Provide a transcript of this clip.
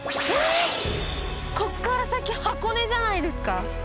こっから先箱根じゃないですか。